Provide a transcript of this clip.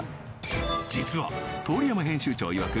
実は通山編集長いわく